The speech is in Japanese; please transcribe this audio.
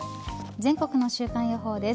全国の週間予報です。